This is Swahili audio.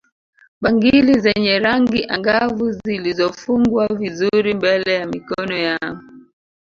Bangili zenye rangi angavu zilizofungwa vizuri mbele ya mikono yao